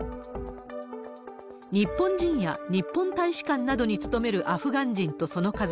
日本人や日本大使館などに勤めるアフガン人とその家族